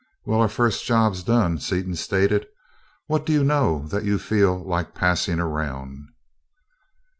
"Well, our first job's done," Seaton stated. "What do you know that you feel like passing around?"